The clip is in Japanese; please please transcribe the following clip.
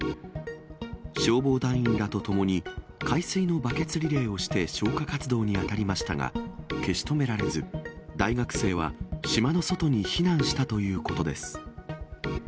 消防団員らと共に海水のバケツリレーをして消火活動に当たりましたが、消し止められず、大学生は島の外に避難したということです。